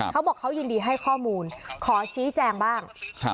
เขาบอกเขายินดีให้ข้อมูลขอชี้แจงบ้าง